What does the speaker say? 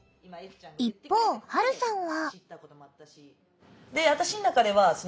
一方はるさんは。